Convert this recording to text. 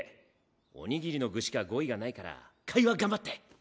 おにぎりの具しか語彙がないから会話頑張って。